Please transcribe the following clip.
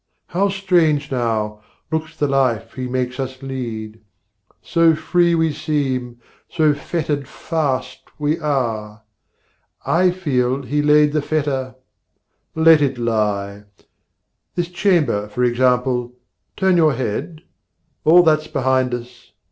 How strange now, looks the life he makes us lead; So free we seem, so fettered fast we are! I feel he laid the fetter: let it lie! This chamber for example turn your head All that's behind us!